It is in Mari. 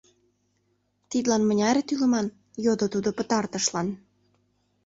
— Тидлан мыняре тӱлыман? — йодо тудо пытартышлан.